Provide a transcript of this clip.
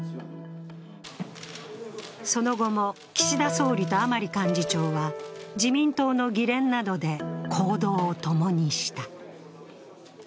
その後も岸田総理と甘利感情は自民党の議連などで行動をともにした。